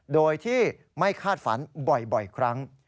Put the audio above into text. โดยที่ไม่คาดฝันบ่อยครั้ง